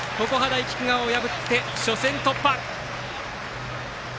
大菊川を破って初戦突破！